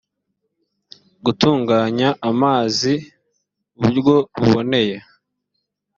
gutunganya amazi buryo buboneye